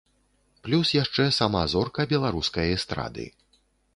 Плюс яшчэ сама зорка беларускай эстрады.